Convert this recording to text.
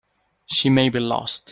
She may be lost.